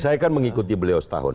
saya kan mengikuti beliau setahun